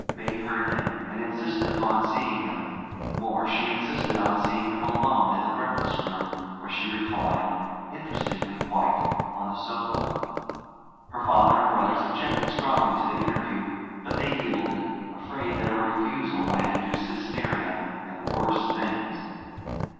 May heard him, and insisted on seeing him; more, she insisted on seeing him alone in the breakfast room, where she reclined, interestingly white, on the sofa. Her father and brothers objected strongly to the interview, but they yielded, afraid that a refusal might induce hysteria and worse things.